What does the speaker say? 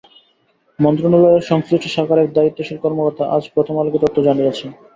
মন্ত্রণালয়ের সংশ্লিষ্ট শাখার এক দায়িত্বশীল কর্মকর্তা আজ প্রথম আলোকে তথ্য জানিয়েছেন।